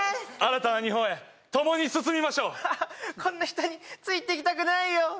新たな日本へ共に進みましょうこんな人についていきたくないよ